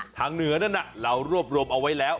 เหนือนั้นเรารวบรวมเอาไว้แล้ว